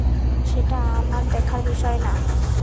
সেটা আমার দেখার বিষয় না!